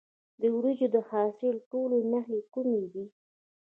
د وریجو د حاصل ټولولو نښې کومې دي؟